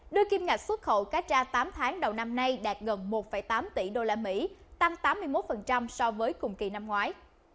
đưa kim ngạch xuất khẩu cá tra tám tháng đầu năm nay đạt gần một tám tỷ usd tăng tám mươi một so với cùng kỳ năm ngoái